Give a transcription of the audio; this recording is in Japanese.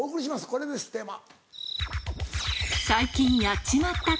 これですテーマ。